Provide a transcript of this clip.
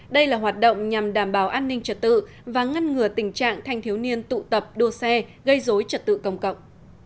đây là hoạt động nhằm đảm bảo an ninh trật tự và ngăn ngừa tình trạng thanh thiếu niên tụ tập đua xe gây dối trật tự công cộng